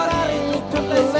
rapi ruang dia